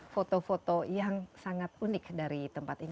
foto foto yang sangat unik dari tempat ini